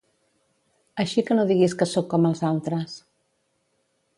Així que no diguis que soc com els altres.